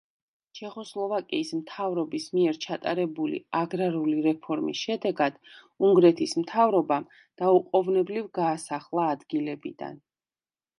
ჩეხოსლოვაკიის მთავრობის მიერ ჩატარებული აგრარული რეფორმის შედეგად, უნგრეთის მთავრობამ დაუყოვნებლივ გაასახლა ადგილებიდან.